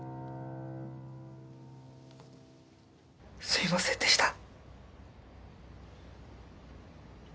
すいませんでした！